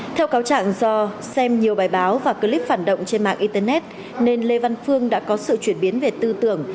theo cáo trạng do xem nhiều bài báo và clip phản động trên mạng internet nên lê văn phương đã có sự chuyển biến về tư tưởng